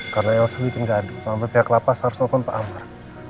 karena elsa bikin gaduh sampai pihak lapas harus nelfon pak amar